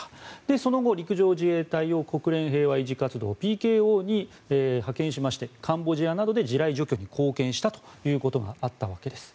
その後、陸上自衛隊を国連平和維持活動・ＰＫＯに派遣しましてカンボジアなどで地雷除去に貢献したということがあったわけです。